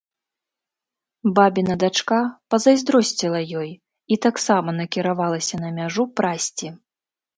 Бабіна дачка пазайздросціла ёй і таксама накіравалася на мяжу прасці.